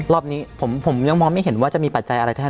รอบนี้ผมยังมองไม่เห็นว่าจะมีปัจจัยอะไรเท่าไ